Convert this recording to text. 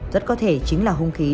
rất có thể chính là hung khí